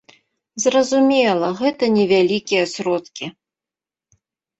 Зразумела, гэта невялікія сродкі.